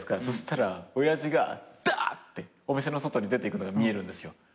そしたら親父がダーってお店の外に出ていくのが見えるんですよ。